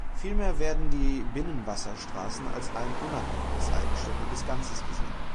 Vielmehr werden die Binnenwasserstraßen als ein unabhängiges, eigenständiges Ganzes gesehen.